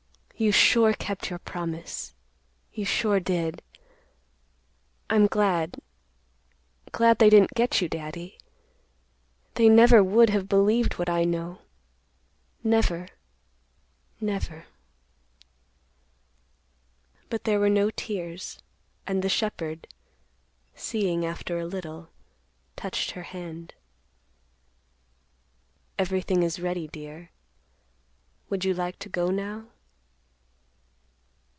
You sure kept your promise. You sure did. I'm glad—glad they didn't get you, Daddy. They never would have believed what I know; never—never." But there were no tears, and the shepherd, seeing after a little touched her hand. "Everything is ready, dear; would you like to go now?"